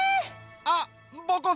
あっぼこ